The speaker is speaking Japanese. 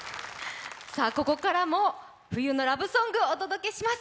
ここからも冬のラブソングお届けします。